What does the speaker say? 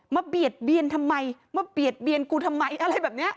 เบียดเบียนทำไมมาเบียดเบียนกูทำไมอะไรแบบนี้